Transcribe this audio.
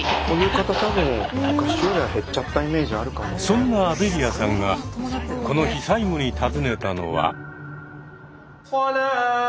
そんなアベリアさんがこの日最後に訪ねたのは。